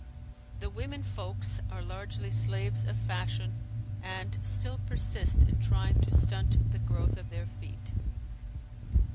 The women folks are largely slaves of fashion and still persist in trying to stunt the growth of their feet.